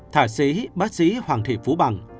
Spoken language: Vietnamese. thả sĩ bác sĩ hoàng thị phú bằng